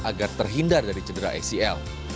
agar terhindar dari cedera acl